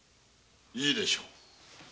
いいでしょう。